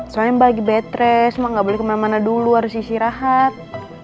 soalnya mbak lagi bed rest mbak gak boleh kemana mana dulu harus isi rahat